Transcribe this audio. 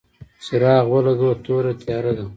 څراغ ولګوه ، توره تیاره ده !